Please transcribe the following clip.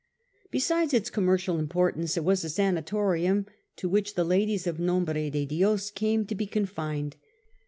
Besides its commercial importance, it was a sanatorium to which the ladies of Nombre de Dies came to be con fined.